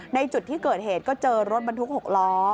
ในจุดที่เกิดเหตุก็เจอรถบรรทุก๖ล้อ